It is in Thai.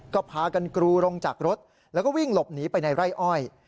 ก็พากันกรูลงจากรถแล้วก็วิ่งหลบหนีไปในไร่อ้อย